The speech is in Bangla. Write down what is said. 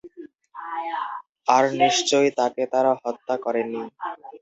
আর নিশ্চয়ই তাঁকে তারা হত্যা করেনি।